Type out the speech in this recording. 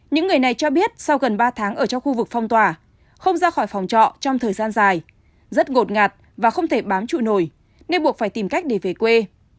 những người này cho biết sau gần ba tháng ở trong khu vực phong tỏa không ra khỏi phòng trọ trong thời gian dài rất ngột ngạt và không thể bám trụ nổi nên buộc phải tìm cách để về quê